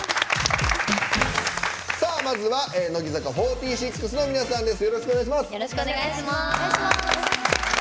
まずは乃木坂４６の皆さんです。